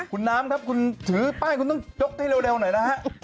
คุณน้ำครับคุณถือป้ายคุณต้องยกให้เร็วหน่อยนะฮะ